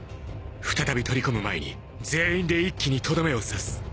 再び取り込む前に全員で一気にとどめを刺す。